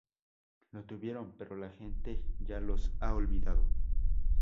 Lo tuvieron, pero la gente ya los ha olvidado.